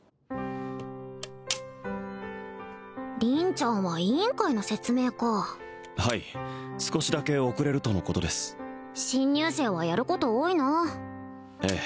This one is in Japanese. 凛ちゃんは委員会の説明かはい少しだけ遅れるとのことです新入生はやること多いなええ